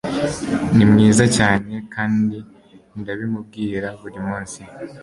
Ni mwiza cyane kandi ndabimubwira buri munsi